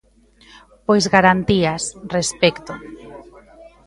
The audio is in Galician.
Pois garantías, respecto.